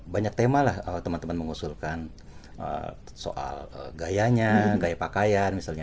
banyak tema lah teman teman mengusulkan soal gayanya gaya pakaian misalnya